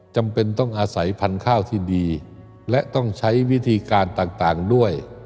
จำเป็นต้องอาศัยพันธุ์ข้าวที่ดีและต้องใช้วิธีการต่างด้วย